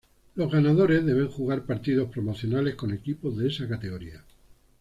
Los ganadores deben jugar partidos promocionales con equipos de esa categoría.